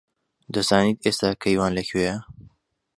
دەزانیت ئێستا کەیوان لەکوێیە؟